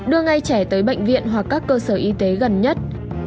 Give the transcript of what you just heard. đưa ngay trẻ tới bệnh viện hoặc các cơ sở y tế gần nhất